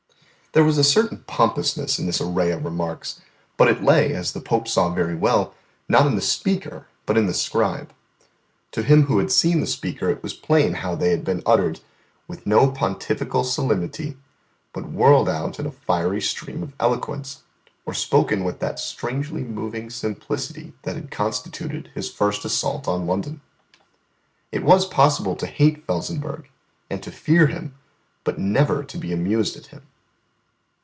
There was a certain pompousness in this array of remarks, but it lay, as the Pope saw very well, not in the speaker but in the scribe. To him who had seen the speaker it was plain how they had been uttered with no pontifical solemnity, but whirled out in a fiery stream of eloquence, or spoken with that strangely moving simplicity that had constituted his first assault on London. It was possible to hate Felsenburgh, and to fear him; but never to be amused at him.